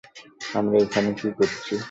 আমরা এখানে কী করছি?